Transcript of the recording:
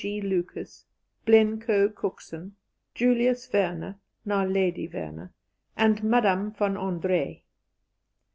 G. Lucas, Blencowe Cookson, Julius Wernher (now Lady Wernher), and Madame von Andre.